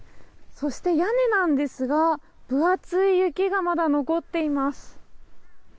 そして、屋根なんですが分厚い雪がまだ残っています。